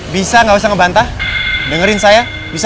bisa nggak usah ngebantah dengerin saya bisa